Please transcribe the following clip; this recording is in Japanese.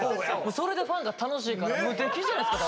それでファンが楽しいから無敵じゃないですかだって。